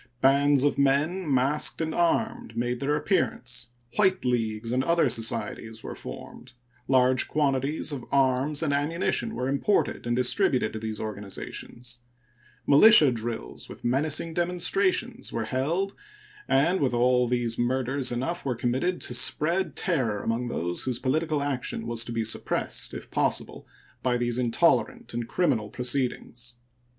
Bands of men, masked and armed, made their appearance; White Leagues and other societies were formed; large quantities of arms and ammunition were imported and distributed to these organizations; military drills, with menacing demonstrations, were held, and with all these murders enough were committed to spread terror among those whose political action was to be suppressed, if possible, by these intolerant and criminal proceedings.